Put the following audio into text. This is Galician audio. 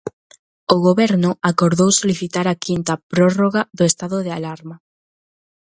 O Goberno acordou solicitar a quinta prórroga do estado de alarma.